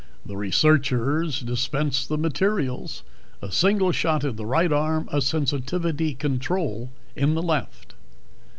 The researchers dispensed the materials a single shot in the right arm, a sensitivity control in the left.